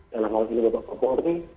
dan hal ini bapak pak polri